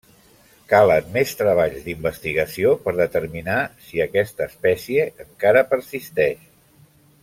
Calen més treballs d'investigació per determinar si aquesta espècie encara persisteix.